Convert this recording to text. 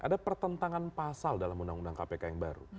ada pertentangan pasal dalam undang undang kpk yang baru